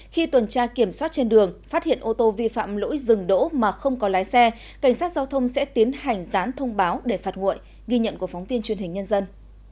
khi tuần tra kiểm soát trên đường phát hiện ô tô vi phạm lỗi dừng đỗ mà không có lái xe cảnh sát giao thông sẽ tiến hành gián thông báo để phạt nguội ghi nhận của phóng viên truyền hình nhân dân